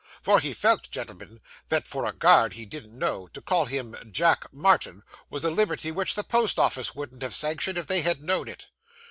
For he felt, gentlemen, that for a guard he didn't know, to call him Jack Martin, was a liberty which the Post Office wouldn't have sanctioned if they had known it.